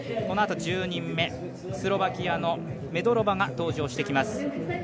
このあと１０人目、スロバキアのメドロバが登場してきます。